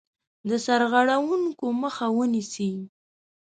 د سرغړونکو مخه ونیسي.